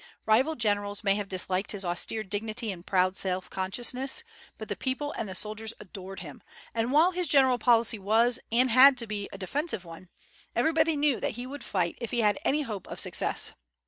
Rival generals may have disliked his austere dignity and proud self consciousness, but the people and the soldiers adored him; and while his general policy was, and had to be, a defensive one, everybody knew that he would fight if he had any hope of success.